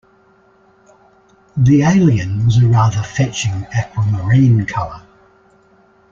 The alien was a rather fetching aquamarine colour.